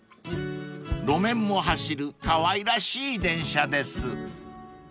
［路面も走るかわいらしい電車です］